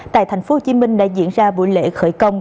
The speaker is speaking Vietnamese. tại tp hcm đã diễn ra buổi lễ khởi công